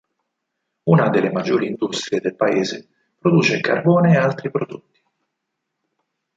Una delle maggiori industrie nel paese produce carbone e altri prodotti.